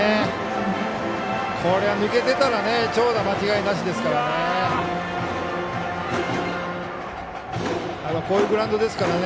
これ、抜けてたら長打間違いなしですからね。